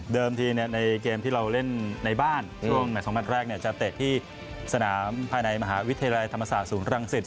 ทีในเกมที่เราเล่นในบ้านช่วง๒นัดแรกจะเตะที่สนามภายในมหาวิทยาลัยธรรมศาสตร์ศูนย์รังสิต